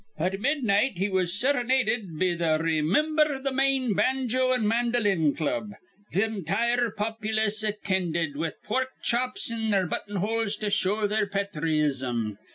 At midnight he was serenaded be th' Raymimber th' Maine Banjo an' Mandolin Club. Th' entire popylace attinded, with pork chops in their buttonholes to show their pathreetism.